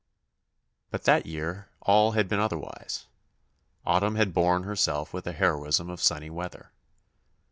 But that year all had been otherwise. Autumn had borne herself with a heroism of sunny weather.